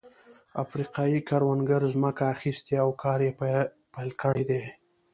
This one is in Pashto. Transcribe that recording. افریقايي کروندګرو ځمکه اخیستې او کار یې پرې پیل کړی دی.